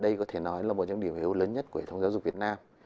đây có thể nói là một trong những điểm hiếu lớn nhất của hệ thống giáo dục việt nam